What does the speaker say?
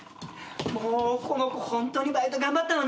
もうこの子ホントにバイト頑張ったのね。